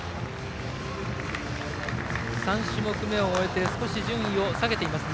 ３種目めを終えて少し順位を下げています。